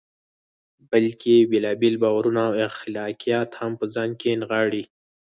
بلکې بېلابېل باورونه او اخلاقیات هم په ځان کې نغاړي.